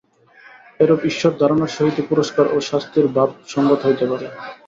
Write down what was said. এরূপ ঈশ্বর-ধারণার সহিতই পুরস্কার ও শাস্তির ভাব সঙ্গত হইতে পারে।